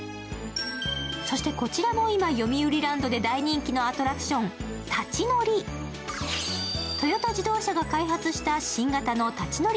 そしてこちらも今、よみうりランドで大人気のアクション、ＴＡ・ＣＨＩ・ＮＯ・ＲＩトヨタ自動車が開発した新型の立ち乗り